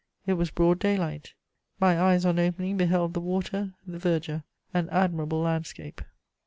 It was broad day light: my eyes on opening beheld the water, the verdure, an admirable landscape."